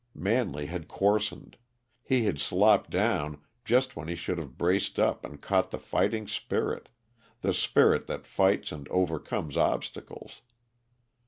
Manley had coarsened. He had "slopped down" just when he should have braced up and caught the fighting spirit the spirit that fights and overcomes obstacles.